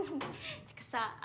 ってかさあ